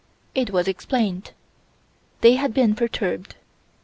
It was explained. They had been perturbed.